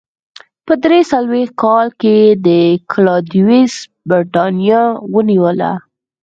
په درې څلوېښت کال کې کلاډیوس برېټانیا ونیوله.